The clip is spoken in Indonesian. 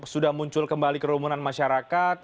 sudah muncul kembali kerumunan masyarakat